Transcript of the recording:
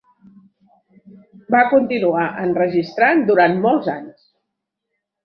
Va continuar enregistrant durant molts anys.